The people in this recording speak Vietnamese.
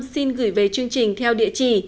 xin gửi về chương trình theo địa chỉ